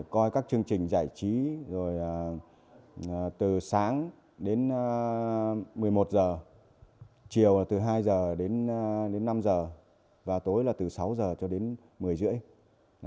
coi các chương trình giải trí từ sáng đến một mươi một h chiều là từ hai h đến năm h và tối là từ sáu h cho đến một mươi h ba mươi